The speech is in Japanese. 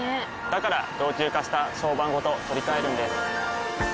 から老朽化した床版ごと取り替えるんです。